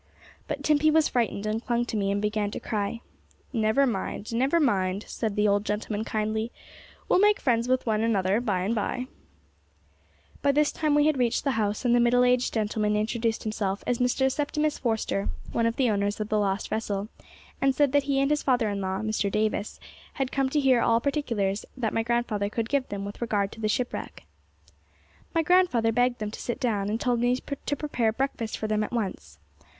But Timpey was frightened, and clung to me, and began to cry. 'Never mind, never mind,' said the old gentleman kindly; 'we'll make friends with one another by and by.' By this time we had reached the house, and the middle aged gentleman introduced himself as Mr. Septimus Forster, one of the owners of the lost vessel, and said that he and his father in law, Mr. Davis, had come to hear all particulars that my grandfather could give them with regard to the shipwreck. My grandfather begged them to sit down, and told me to prepare breakfast for them at once.